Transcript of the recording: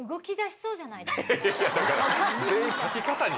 いやいやだから全員書き方に。